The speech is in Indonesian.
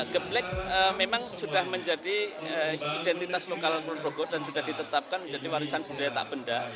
geblek memang sudah menjadi identitas lokal ponorogo dan sudah ditetapkan menjadi warisan budaya tak benda